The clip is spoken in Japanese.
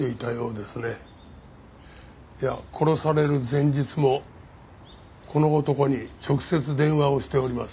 いや殺される前日もこの男に直接電話をしております。